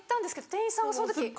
店員さんがその時「えっ？」